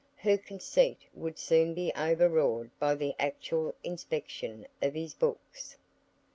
Her conceit would soon be overawed by the actual inspection of his books.